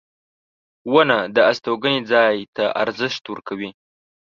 • ونه د استوګنې ځای ته ارزښت ورکوي.